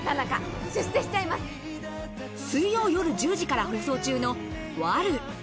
水曜夜１０時から放送中の『悪女』。